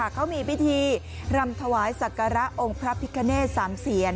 เขามีพิธีรำถวายศักระองค์พระพิคเนต๓เสียน